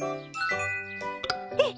えっ！